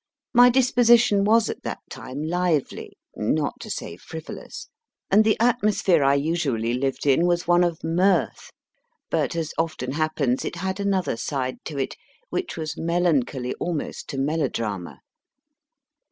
My disposition was at that time lively (not to say frivolous), JAMES PAYN 21 and the atmosphere I usually lived in was one of mirth, but, as often happens, it had another side to it, which was melan choly almost to melodrama.